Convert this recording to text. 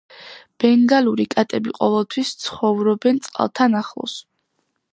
ბენგალური კატები ყოველთვის ცხოვრობენ წყალთან ახლოს.